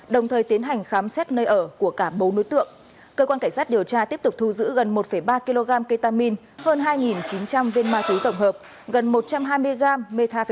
đồng thời để lái xe chủ động ý thức trong việc chấp hành các quy định về vận tài hành khách